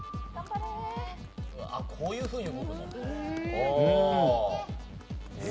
こういうふうに動くのね。